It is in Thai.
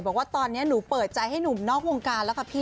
บอกว่าตอนนี้หนูเปิดใจให้หนุ่มนอกองค์การแต๊ม